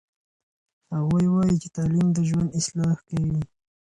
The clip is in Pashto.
هغوی وایي چې تعلیم د ژوند اصلاح کوي.